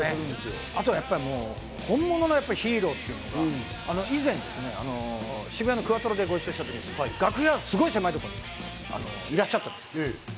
あと、本物のヒーローっていうのは以前ですね、渋谷のクワトロで一緒になったときに楽屋のすごい狭いところにいらっしゃったんです。